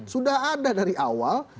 sudah ada dari awal